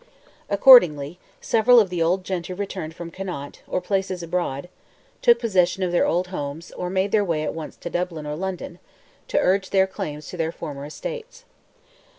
Accordingly, several of the old gentry returned from Connaught, or places abroad, took possession of their old homes, or made their way at once to Dublin or London, to urge their claims to their former estates.